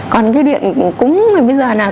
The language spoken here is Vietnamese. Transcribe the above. còn cái điện cũng bây giờ là